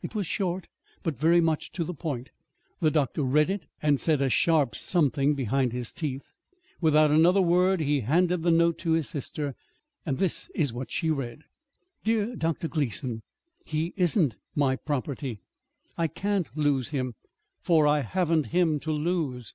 It was short, but very much to the point. The doctor read it, and said a sharp something behind his teeth. Without another word he handed the note to his sister. And this is what she read: Dear Dr. Gleason: He isn't my property. I can't lose him, for I haven't him to lose.